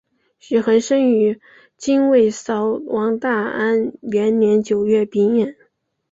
许衡生于金卫绍王大安元年九月丙寅。